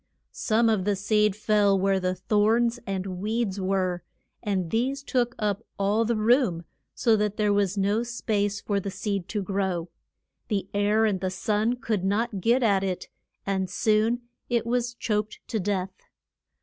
Some of the seed fell where thorns and weeds were, and these took up all the room, so that there was no space for the seed to grow. The air and the sun could not get at it, and soon it was choked to death.